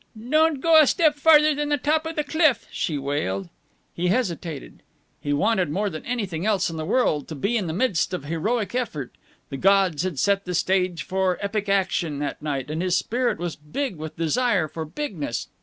"Don't go a step farther than the top of the cliff," she wailed. He hesitated. He wanted, more than anything else in the world, to be in the midst of heroic effort. The gods had set the stage for epic action that night, and his spirit was big with desire for bigness.